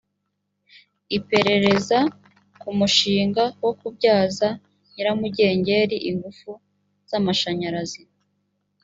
iperereza ku mushinga wo kubyaza nyiramugengeri ingufu z’amashanyarazi